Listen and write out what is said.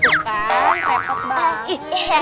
bukan repot banget